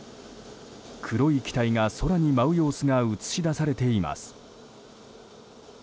黒い機体が空に舞う様子が映し出されています。